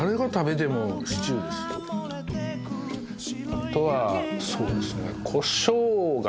あとはそうですね。